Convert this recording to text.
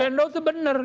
arsendo itu benar